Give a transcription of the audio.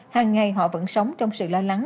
hàng ngày họ vẫn sống trong sự lo lắng